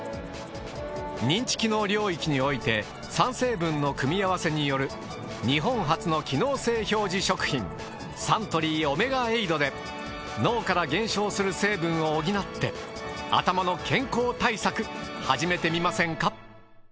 認知機能領域において３成分の組み合わせによる日本初の機能性表示食品サントリーオメガエイドで脳から減少する成分を補って頭の健康対策始めてみませんか？